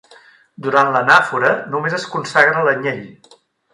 Durant l'Anàfora, només es consagra l'Anyell.